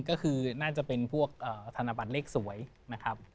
ก็คือน่าจะเป็นพวกธนบัตรเลขสวยนะครับ